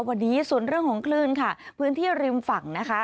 วันนี้ส่วนเรื่องของคลื่นค่ะพื้นที่ริมฝั่งนะคะ